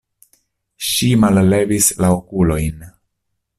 Ŝi mallevis la okulojn.